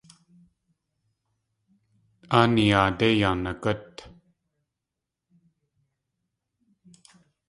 Áa niyaadé yaa nagút.